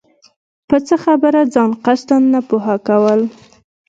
په څۀ خبره ځان قصداً نۀ پوهه كول